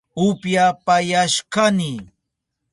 Upyapayashkani